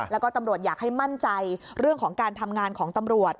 แล้วก็ตำรวจอยากให้มั่นใจเรื่องของการทำงานของตำรวจ